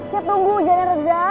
cit tunggu hujannya reda